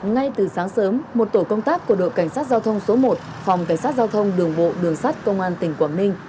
ngay từ sáng sớm một tổ công tác của đội cảnh sát giao thông số một phòng cảnh sát giao thông đường bộ đường sát công an tỉnh quảng ninh